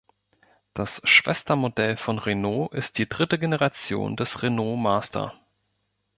Das Schwestermodell von Renault ist die dritte Generation des Renault Master.